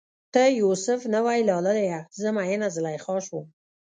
ته یو سف نه وی لالیه، زه میینه زلیخا شوم